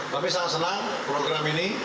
tapi sangat senang program ini